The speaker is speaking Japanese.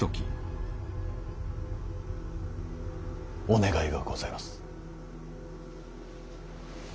お願いがございます。